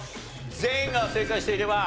全員が正解していれば。